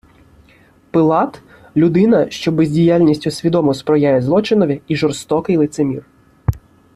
Пилат — людина, що бездіяльністю свідомо сприяє злочинов і жорстокий лицемір